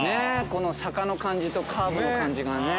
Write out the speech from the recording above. この坂の感じとカーブの感じがね。